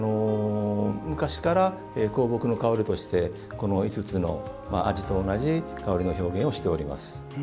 昔から香木の香りとしてこの５つの味と同じ香りの表現をしております。